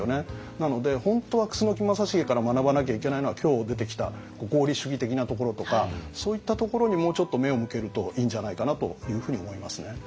なので本当は楠木正成から学ばなきゃいけないのは今日出てきた合理主義的なところとかそういったところにもうちょっと目を向けるといいんじゃないかなというふうに思いますね。